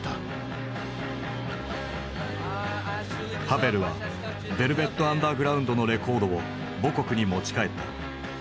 ハヴェルはヴェルヴェット・アンダーグラウンドのレコードを母国に持ち帰った。